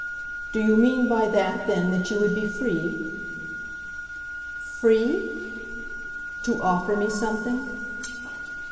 "Do you mean by that then that you would be free ?" "'Free' ?" "To offer me something?"